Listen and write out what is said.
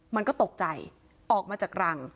มันก็ตกใจออกมาจากรัง